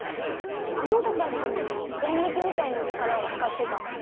あの子たちもデンリキみたいな力を使ってた。